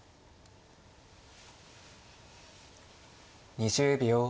２０秒。